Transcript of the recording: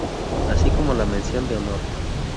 Así como la Mención de Honor.